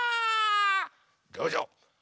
どうぞ。